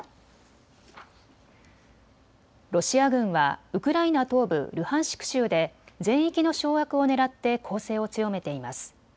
ロシア軍はウクライナ東部ルハンシク州で全域の掌握をねらって攻勢を強めています。